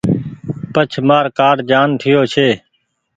پڇ مآر ڪآرڊ جآن ٺييو ڇي۔